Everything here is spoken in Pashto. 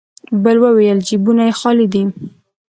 بل وويل: جيبونه يې خالي دی.